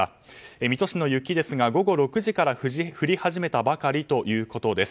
水戸市の雪ですが午後６時から降り始めたばかりということです。